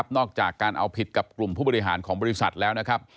นอกจากการเอาผิดกับกลุ่มผู้บริหารของบริษัทแล้วนะครับ